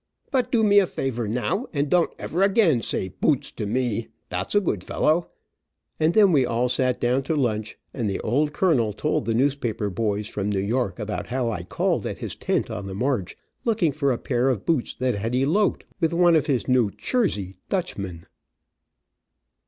But do me a favor now, and don't ever again say poots to me, dot's a good fellow," and then we all sat down to lunch, and the old colonel told the newspaper boys from New York about how I called at his tent on the march, looking for a pair of boots that had eloped with one of his New Chersey dutchmen.